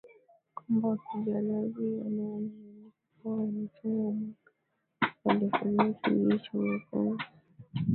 kwamba wapiganaji wanaoaminika kuwa wanachama wa walivamia kijiji cha Bulongo